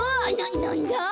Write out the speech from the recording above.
なんだ？